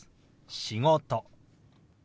「仕事」。